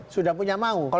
sudah punya mau